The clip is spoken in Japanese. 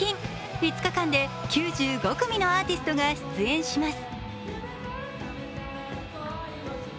５日間で９５組のアーティストが出演します。